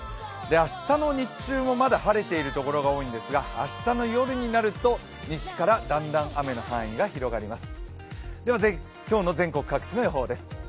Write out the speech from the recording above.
明日の日中もまだ晴れているところが多いんですが明日の夜になると西からだんだん雨の範囲が広がります。